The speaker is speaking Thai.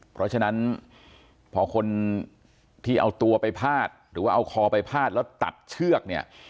เพราะฉะนั้นพอคนที่เอาตัวไปพาดหรือว่าเอาคอไปพาดแล้วตัดเชือกเนี่ย